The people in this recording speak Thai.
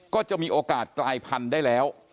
ก็จะมีโอกาสกลายพันธุ์ได้แล้ว